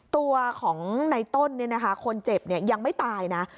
ตัวของในต้นคนเจ็บยังไม่ตายนะ